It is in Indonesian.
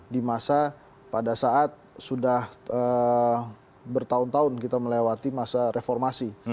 di masa pada saat sudah bertahun tahun kita melewati masa reformasi